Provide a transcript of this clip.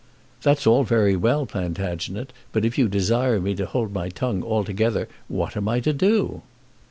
"That's all very well, Plantagenet, but if you desire me to hold my tongue altogether, what am I to do?"